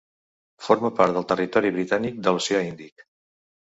Forma part del Territori Britànic de l'Oceà Índic.